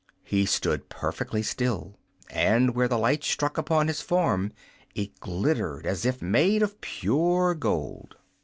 He stood perfectly still, and where the light struck upon his form it glittered as if made of pure gold.